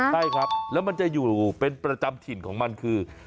ใช่ครับแล้วมันจะอยู่เป็นประจำถิ่นของมันคือ